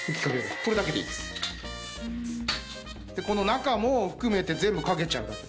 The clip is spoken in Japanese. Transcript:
でこの中も含めて全部かけちゃう。